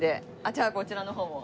じゃあこちらの方も。